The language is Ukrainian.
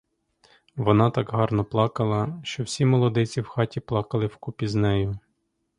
Вона так гарно плакала, що всі молодиці в хаті плакали вкупі з нею.